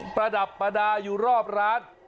ประดับประดาอยู่รอบร้าน